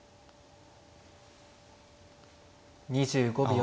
２５秒。